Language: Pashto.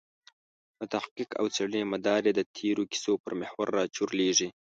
د تحقیق او څېړنې مدار یې د تېرو کیسو پر محور راچورلېږي.